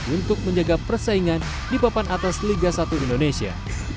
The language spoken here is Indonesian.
untuk menjaga persaingan di papan atas liga satu indonesia